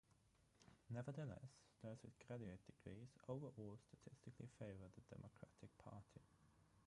Nevertheless, those with graduate degrees overall statistically favor the Democratic Party.